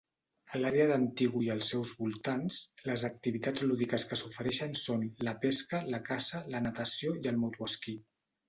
A l'àrea d'Antigo i els seus voltants, les activitats lúdiques que s'ofereixen són la pesca, la caça, la natació i el motoesquí.